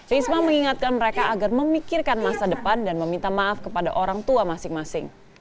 risma mengingatkan mereka agar memikirkan masa depan dan meminta maaf kepada orang tua masing masing